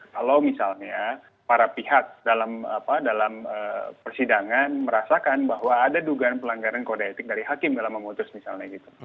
kalau misalnya para pihak dalam persidangan merasakan bahwa ada dugaan pelanggaran kode etik dari hakim dalam memutus misalnya gitu